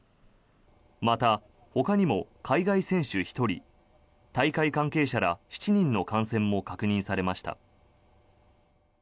また、ほかにも海外選手１人大会関係者ら７人の感染も確認されました。